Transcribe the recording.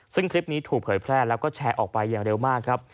ซึ่งคลิปนี้ถูกเผยแพร่แล้วก็แชร์ออกไปอย่างเร็วมากครับ